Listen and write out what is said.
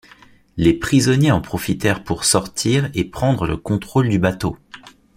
Les prisonniers en profitèrent pour sortir et prendre le contrôle du bateau.